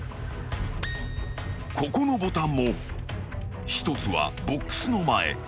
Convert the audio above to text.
［ここのボタンも１つはボックスの前］